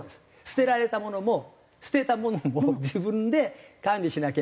捨てられたものも捨てたものも自分で管理しなきゃいけない。